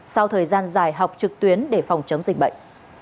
sau thời gian dài học trực tuyến để phòng chống dịch bệnh